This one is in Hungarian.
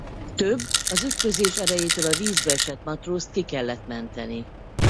Több az ütközés erejétől a vízbe esett matrózt ki kellett menteni.